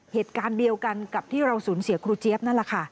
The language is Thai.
เหตุการณ์เดียวกันกับที่เราสูญเสียครูเจี๊ยบนั่นแหละค่ะ